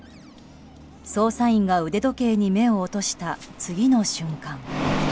捜査員が腕時計に目を落とした次の瞬間。